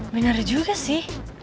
bener juga sih